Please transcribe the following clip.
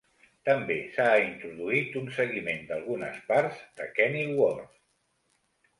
També s'ha introduït un seguiment d' algunes parts de Kenilworth.